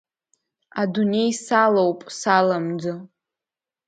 Адунеи салоуп саламӡо…